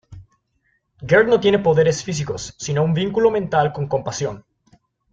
Gert no tiene poderes físicos, sino un vínculo mental con "Compasión".